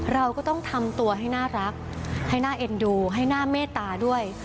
เราก็ต้องทำตัวให้น่ารักให้น่าเอ็นดูให้น่าเมตตาด้วย